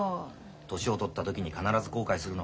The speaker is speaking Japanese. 年を取った時に必ず後悔するの。